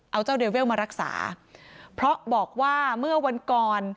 เอาเจ้าเดเวลมารักษาเพราะบอกว่าเมื่อวันก่อน